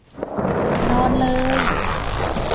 นอนเลย !